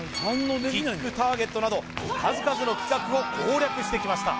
キックターゲットなど数々の企画を攻略してきました